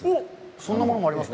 そんなものもありますね。